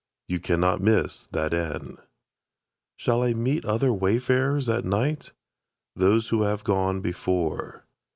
You cannot miss that inn. Shall I meet other wayfarers at night? Those who have gone before.